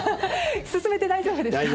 進めて大丈夫ですか？